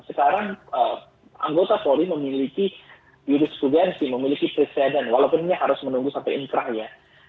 sekarang anggota polri memiliki jurisprudensi memiliki presiden walaupun ini harus menunggu sampai inkrah ya